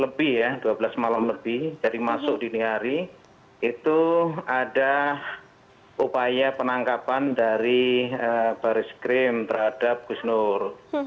lebih ya dua belas malam lebih dari masuk dini hari itu ada upaya penangkapan dari baris krim terhadap gus nur